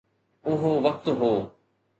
اهو وقت هو.